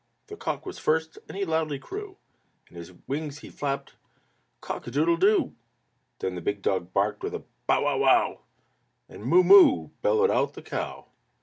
the cock was first and he loudly crew, And his wings he flapped: "Cock a _doo_dle doo!" Then the big dog barked with a "Bow wow wow!" And "Moo oo! Moo oo!" bellowed out the cow.